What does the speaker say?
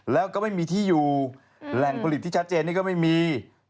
แล้วก็ไม่มีที่อยู่แหล่งผลิตที่ชัดเจนนี่ก็ไม่มี